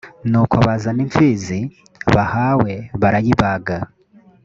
nuko bazana impfizi bahawe barayibaga